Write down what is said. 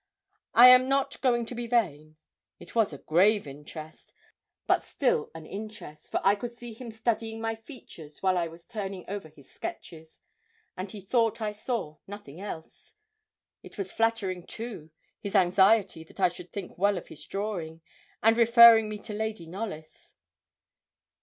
I am not going to be vain. It was a grave interest, but still an interest, for I could see him studying my features while I was turning over his sketches, and he thought I saw nothing else. It was flattering, too, his anxiety that I should think well of his drawing, and referring me to Lady Knollys.